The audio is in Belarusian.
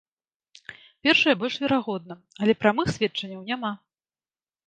Першае больш верагодна, але прамых сведчанняў няма.